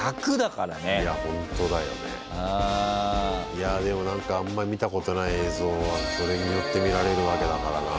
いやでも何かあんまり見たことない映像がそれによって見られるわけだからな。